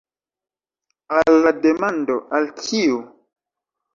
Al la demando „al kiu?